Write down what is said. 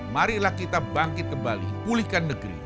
marilah kita bangkit kembali pulihkan negeri